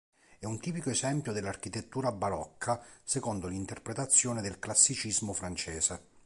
È un tipico esempio dell'Architettura barocca secondo l'interpretazione del "Classicismo" francese.